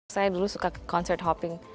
saya dulu suka concert hopping